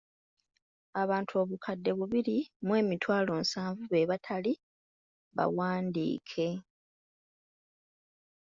Abantu obukadde bubiri mu emitwalo nsanvu be batali bawandiike.